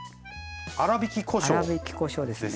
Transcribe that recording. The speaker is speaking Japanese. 粗びきこしょうですね。